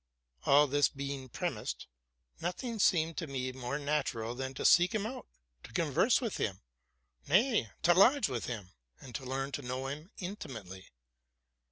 All this being pre mised, nothing seemed to me more natural than to seek him out, to converse with him, — nay, to lodge with him, and to learn to know him intimately.